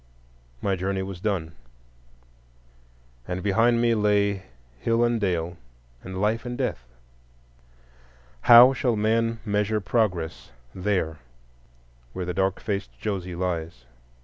My journey was done, and behind me lay hill and dale, and Life and Death. How shall man measure Progress there where the dark faced Josie lies?